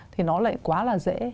thì nó lại quá dễ